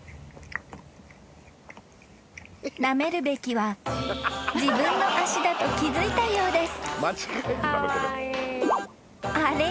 ［なめるべきは自分の足だと気付いたようです］